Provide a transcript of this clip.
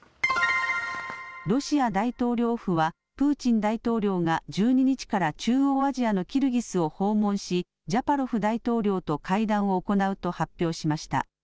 ロシア大統領府はプーチン大統領が１２日から中央アジアのキルギスを訪問しジャパロフ大統領と会談を行うと発表しました。